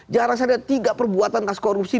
jarang saya lihat tiga perbuatan kasus korupsi